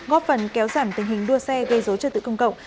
góp phần kéo giảm tình hình đua xe gây dấu cho tự công cộng